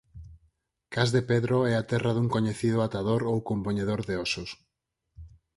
Cas de Pedro é a terra dun coñecido "atador" ou compoñedor de ósos.